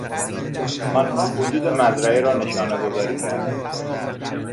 آنها حدود مزرعه را نشانهگذاری کردند.